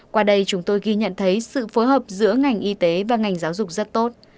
qua đây chúng tôi ghi nhận thấy sự phối hợp giữa ngành y tế và ngành giáo dục rất tốt